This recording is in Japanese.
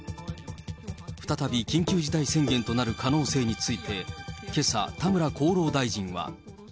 再び緊急事態宣言となる可能性について、けさ、田村厚労大臣は。